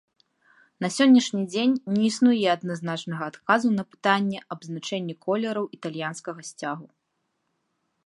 На сённяшні дзень не існуе адназначнага адказу на пытанне аб значэнні колераў італьянскага сцягу.